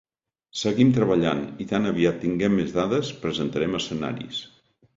Seguim treballant, i tan aviat tinguem més dades, presentarem escenaris.